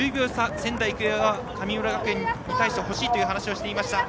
仙台育英が神村学園に対して欲しいという話をしていました。